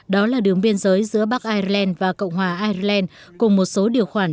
đó là đường biên giới giữa bắc ireland và cộng hòa ireland cùng một số điều khoản